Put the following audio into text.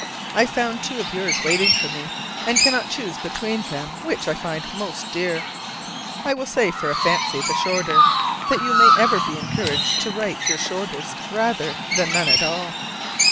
I found two of yours waiting for me, and cannot choose between them which I find most dear. I will say, for a fancy, the shorter, that you may ever be encouraged to write your shortest rather than none at all.